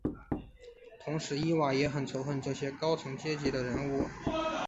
同时伊娃也很仇恨这些高层阶级的人物。